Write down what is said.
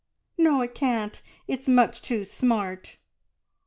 "No, it can't be! It's much too smart!"